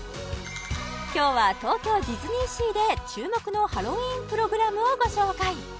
今日は東京ディズニーシーで注目のハロウィーンプログラムをご紹介